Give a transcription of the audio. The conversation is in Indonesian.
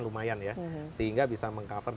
lumayan ya sehingga bisa meng cover